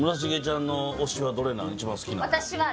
一番好きなんは。